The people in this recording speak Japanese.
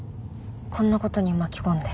こんな事に巻き込んで。